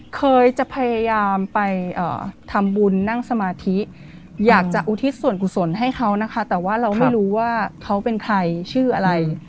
เคยจะพยายามไปทำบุญนั่งสมาธิอยากจะอุทิศส่วนกุศลให้เขานะคะแต่ว่าเราไม่รู้ว่าเขาเป็นใครชื่ออะไร